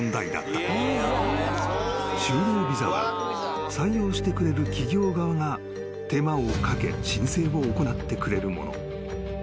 ［就労ビザは採用してくれる企業側が手間をかけ申請を行ってくれるもの］